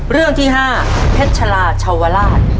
เรื่องที่๕เพชรลาชาวราช